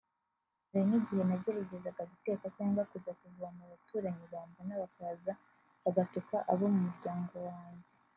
Hari n’igihe nageragezaga guteka cyangwa kujya kuvoma abaturanyi bambona bakaza bagatuka abo mu muryango wanjye